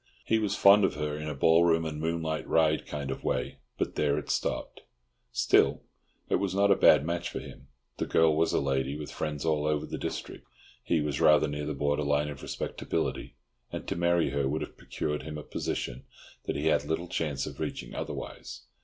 He was fond of her in a ballroom and moonlight ride kind of way, but there it stopped. Still, it was not a bad match for him. The girl was a lady, with friends all over the district. He was rather near the border line of respectability, and to marry her would have procured him a position that he had little chance of reaching otherwise.